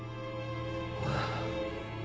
ああ。